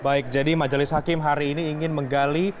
baik jadi majelis hakim hari ini ingin menggali